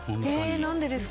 何でですか？